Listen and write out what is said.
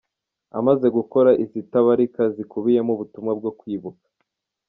Amaze gukora izitabarika zikubiyemo ubutumwa bwo kwibuka.